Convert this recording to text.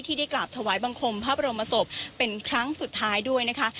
ได้กราบถวายบังคมพระบรมศพเป็นครั้งสุดท้ายด้วยนะคะ